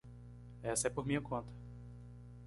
Essa é por minha conta.